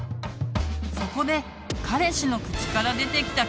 そこで彼氏の口から出てきた